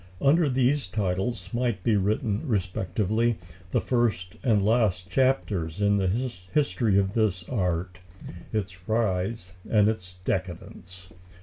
Under these titles might be written respectively the first and last chapters in the history of this art its rise and its decadence.